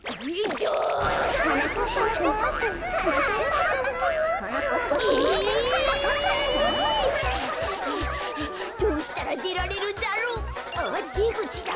はあはあどうしたらでられるんだろう？あっでぐちだ。